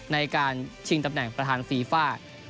ในการชิงตำแหน่งประธานฟีฟ่า